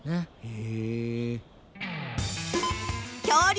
へえ。